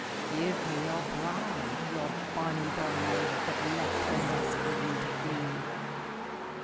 "Give me your bride, your bonnie bride, That left her nest with you to flee!